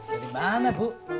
dari mana bu